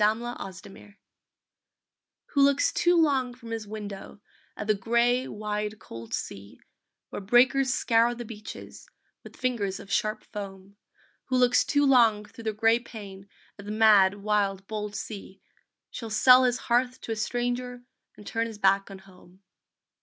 THE GREAT SEDUCER Who looks too long from his window At the gray, wide, cold sea, Where breakers scour the beaches With fingers of sharp foam; Who looks too long thro the gray pane At the mad, wild, bold sea, Shall sell his hearth to a stranger And turn his back on home.